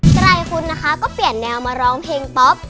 ไตรคุณนะคะก็เปลี่ยนแนวมาร้องเพลงป๊อป